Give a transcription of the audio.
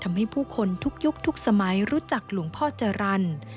ผู้คนทุกยุคทุกสมัยรู้จักหลวงพ่อจรรย์